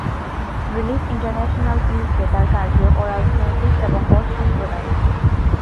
Relief international UK তার কার্যে অরাজনৈতিক এবং অসাম্প্রদায়িক।